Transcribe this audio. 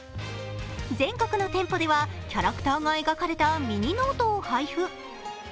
全国の店舗ではキャラクターが描かれたミニノートを配布。